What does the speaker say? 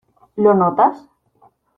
¿ lo notas?